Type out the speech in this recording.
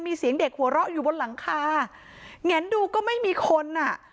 มีเสียงเด็กหัวเราะอยู่บนหลังคาแงนดูก็ไม่มีคนอ่ะ